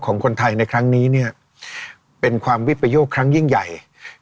ของคนไทยในครั้งนี้เนี่ยเป็นความวิปโยคครั้งยิ่งใหญ่